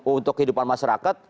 untuk kehidupan masyarakat